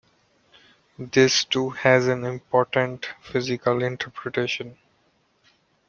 This too has an important physical interpretation.